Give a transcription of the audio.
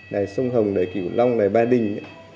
này sông hồng này cửu long này ba đình